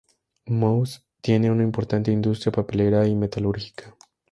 Moss tiene una importante industria papelera y metalúrgica.